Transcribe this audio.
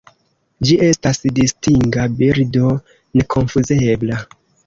Ĝi estas distinga birdo nekonfuzebla.